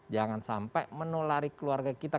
jangan sampai menulari keluarga kita